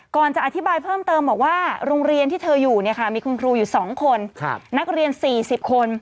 ก่อนจะอธิบายเพิ่มเติมบอกว่าโรงเรียนที่เธออยู่มีคุณครูอยู่๒คนนักเรียน๔๐คน